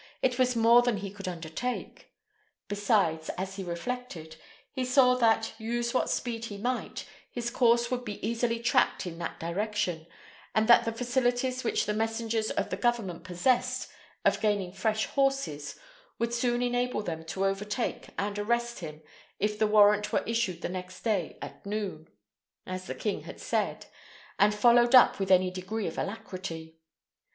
it was more than he could undertake. Besides, as he reflected, he saw that, use what speed he might, his course would be easily tracked in that direction, and that the facilities which the messengers of the government possessed of gaining fresh horses would soon enable them to overtake and arrest him if the warrant were issued the next day at noon, as the king had said, and followed up with any degree of alacrity.